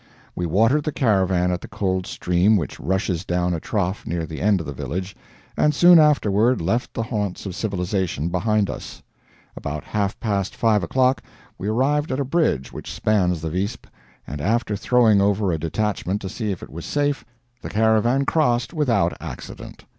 We watered the caravan at the cold stream which rushes down a trough near the end of the village, and soon afterward left the haunts of civilization behind us. About half past five o'clock we arrived at a bridge which spans the Visp, and after throwing over a detachment to see if it was safe, the caravan crossed without accident.